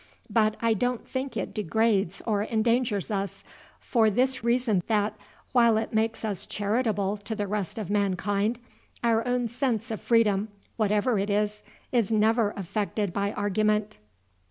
But I don't think it degrades or endangers us, for this reason, that, while it makes us charitable to the rest of mankind, our own sense of freedom, whatever it is, is never affected by argument.